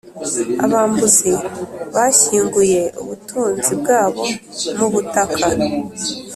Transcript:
abambuzi bashyinguye ubutunzi bwabo mu butaka.